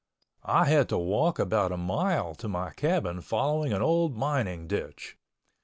I had to walk about a mile to my cabin following an old mining ditch.